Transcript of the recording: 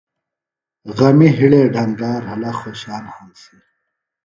غمِ ہِڑے ڈھنگا رھلہ خوۡشان ہنسی۔